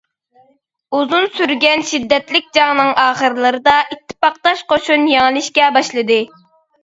ئۇزۇن سۈرگەن شىددەتلىك جەڭنىڭ ئاخىرلىرىدا ئىتتىپاقداش قوشۇن يېڭىلىشكە باشلىدى.